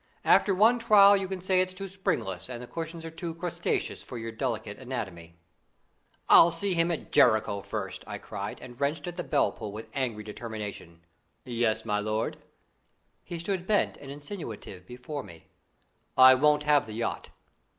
After one trial, you can say it's too springless and the cushions are too crustaceous for your delicate anatomy." "I'll see him at Jericho first!" I cried, and wrenched at the bell pull with angry determination. "Yes, my lord!" He stood bent and insinuative before me. "I won't have the yacht."